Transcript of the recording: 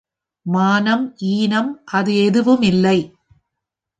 மானம் ஈனம் அது எதுவும் இல்லை.